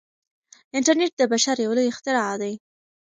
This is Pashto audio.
انټرنیټ د بشر یو لوی اختراع دی.